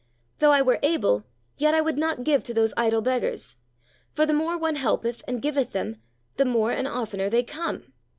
Though I were able, yet I would not give to those idle beggars, for the more one helpeth and giveth them, the more and oftener they come.